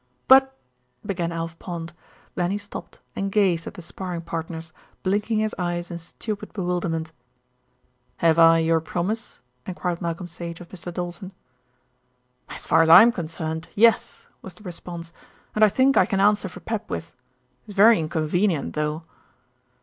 "But " began Alf Pond; then he stopped and gazed at the sparring partners, blinking his eyes in stupid bewilderment. "Have I your promise?" enquired Malcolm Sage of Mr. Doulton. "As far as I am concerned, yes," was the response, "and I think I can answer for Papwith. It's very inconvenient, though."